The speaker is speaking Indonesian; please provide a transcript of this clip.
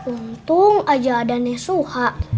untung aja ada nesuha